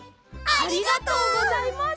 ありがとうございます！